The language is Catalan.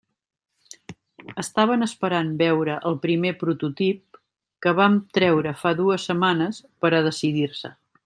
Estaven esperant veure el primer prototip, que vam treure fa dues setmanes, per a decidir-se.